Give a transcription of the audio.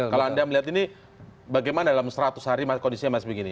kalau anda melihat ini bagaimana dalam seratus hari kondisinya masih begini